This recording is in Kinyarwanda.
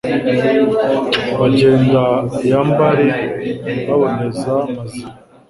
Bagenda iya Mbare baboneza Maziba